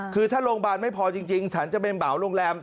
คือถ้าโรงพยาบาลไม่พอจริงฉันจะเป็นเหมาโรงแรม